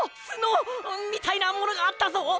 つのみたいなものがあったぞ！